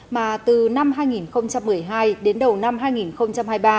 mà từ năm hai nghìn một mươi hai đến đầu năm hai nghìn hai mươi ba